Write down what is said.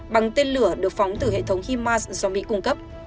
bằng tên lửa được phóng từ hệ thống himas do mỹ cung cấp